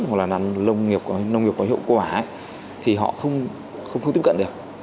hoặc là làm nông nghiệp có hiệu quả thì họ không tiếp cận được